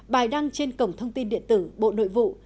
bài đăng trên cổng thông tin điện tử bộ nội vụ